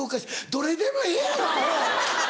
どれでもええやろアホ！